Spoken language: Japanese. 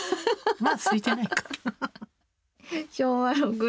まだすいてないか。